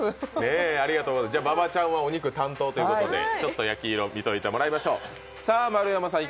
馬場ちゃんはお肉担当ということでお肉の焼き色を見ておいていただきましょう。